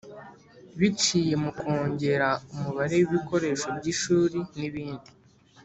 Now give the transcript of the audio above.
biciye mu kongera umubare w'ibikoresho by'ishuri n'ibindi.